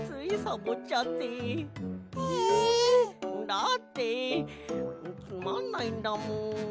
だってつまんないんだもん。